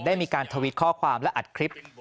ได้มีการทวิตข้อความและอัดคลิป